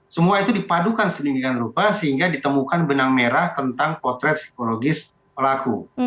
semua itu dipadukan sedemikian rupa sehingga ditemukan benang merah tentang potret psikologis pelaku